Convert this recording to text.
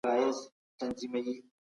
په بې باوريو کي جګړو خپله ونډه لرلې ده.